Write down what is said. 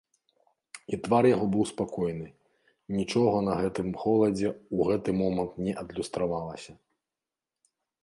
І твар яго быў спакойны, нічога на гэтым холадзе ў гэты момант не адлюстравалася.